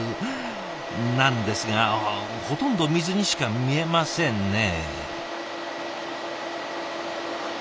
なんですがほとんど水にしか見えませんね。